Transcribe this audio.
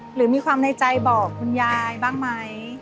หรือมีความในใจบอกคุณยายบ้างไหม